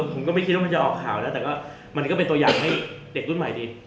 ผมก็ไม่คิดว่ามันจะออกข่าวแล้วแต่ก็มันก็เป็นตัวอย่างให้เด็กรุ่นใหม่ดี